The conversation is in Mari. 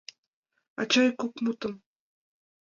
Ача, ик-кок мутым.